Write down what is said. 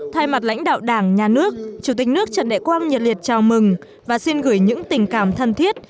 thay mặt lãnh đạo đảng nhà nước chủ tịch nước trần đại quang nhiệt liệt chào mừng và xin gửi những tình cảm thân thiết